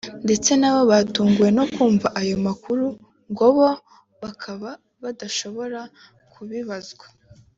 ndetse nabo batunguwe no kumva ayo makuru ngo bo bakaba badashobora kubibazwa